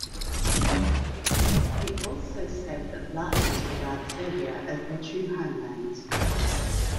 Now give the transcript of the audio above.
He also said that Vlachs regard Serbia as their true homeland.